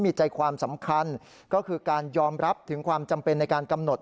มีใจความสำคัญก็คือการยอมรับถึงความจำเป็นในการกำหนด